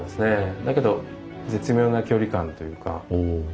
だけど絶妙な距離感というか。